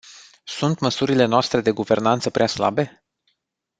Sunt măsurile noastre de guvernanță prea slabe?